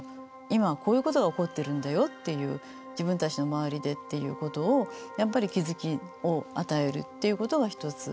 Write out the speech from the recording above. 「今はこういうことが起こってるんだよ」っていう「自分たちの周りで」っていうことをやっぱり気づきを与えるっていうことが一つ。